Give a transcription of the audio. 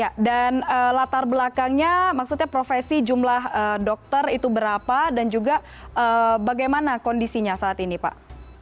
ya dan latar belakangnya maksudnya profesi jumlah dokter itu berapa dan juga bagaimana kondisinya saat ini pak